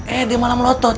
eh dia malah melotot